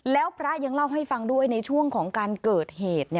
แล้วพระยังเล่าให้ฟังด้วยในช่วงของการเกิดเหตุ